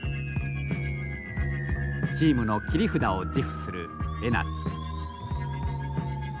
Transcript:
チームの切り札を自負する江夏。